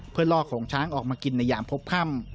เพื่อลอกของช้างออกมากินในยามพบค่ำ